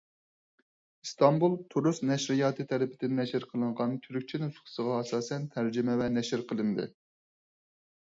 ئىستانبۇل «تۇرۇس نەشرىياتى» تەرىپىدىن نەشر قىلىنغان تۈركچە نۇسخىسىغا ئاساسەن تەرجىمە ۋە نەشر قىلىندى.